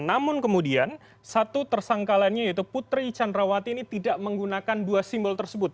namun kemudian satu tersangka lainnya yaitu putri candrawati ini tidak menggunakan dua simbol tersebut